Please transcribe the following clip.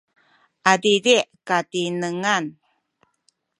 adidi’ katinengan